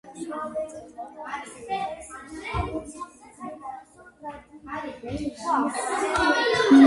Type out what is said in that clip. მეფეს უხუცესი ვეზირი ისე უყვარდა, რომ საკუთარ თავს ერჩივნა.